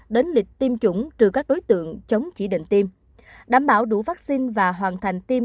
đến lịch tiêm chủng trừ các đối tượng chống chỉ định tiêm đảm bảo đủ vaccine và hoàn thành tiêm